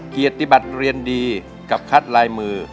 เกียรติบัติเรียนดีกับคัดลายมือ